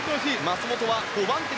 松元は５番手。